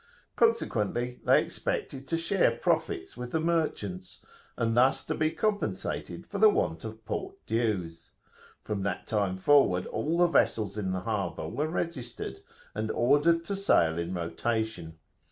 Consequently, they expected to share profits with the merchants, and thus to be compensated for the want of port dues. From that time forward all the vessels in the harbour were registered, and ordered to sail in rotation.